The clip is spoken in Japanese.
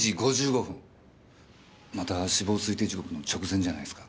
また死亡推定時刻の直前じゃないですか。